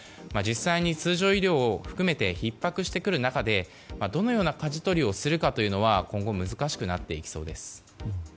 実際に通常医療を含めてひっ迫してくる中でどのようなかじ取りをするか今後、難しくなりそうです。